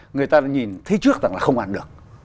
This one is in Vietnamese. người ta đã nhìn thấy trước rằng là không ăn được